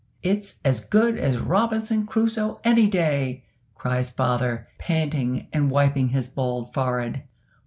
"It's as good as Robinson Crusoe any day!" cries father, panting and wiping his bald forehead.